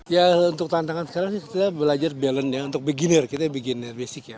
ya untuk tantangan sekarang kita belajar balance untuk beginner kita beginner basic ya